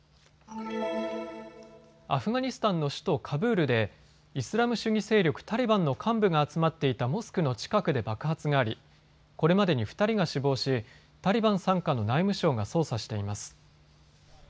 アフガニスタンの首都カブールでイスラム主義勢力タリバンの幹部が集まっていたモスクの近くで爆発がありこれまでに２人が死亡しタリバン傘下の内務省が捜査しています。